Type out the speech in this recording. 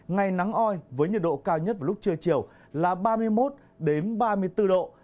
ngày nắng oi với nhiệt độ cao nhất vào lúc trưa chiều là ba mươi một ba mươi bốn độ